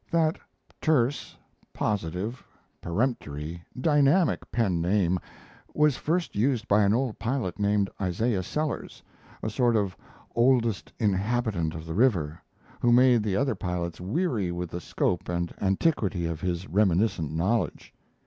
That terse, positive, peremptory, dynamic pen name was first used by an old pilot named Isaiah Sellers a sort of "oldest inhabitant" of the river, who made the other pilots weary with the scope and antiquity of his reminiscent knowledge.